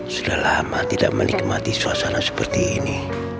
sudah lama tidak menikmati suasana seperti ini